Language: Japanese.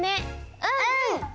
うん！